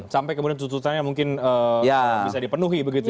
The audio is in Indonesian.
sampai kemudian tuntutannya mungkin bisa dipenuhi begitu ya